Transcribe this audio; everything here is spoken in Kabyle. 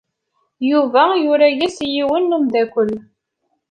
Yuba yura-as i yiwen n umeddakel.